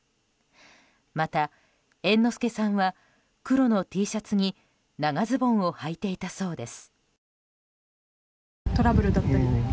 また、猿之助さんは黒のＴシャツに長ズボンをはいていたそうです。